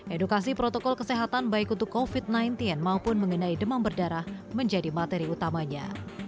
edukasi protokol kesehatan baik untuk covid sembilan belas maupun mengenai demam berdarah menjadi materi utamanya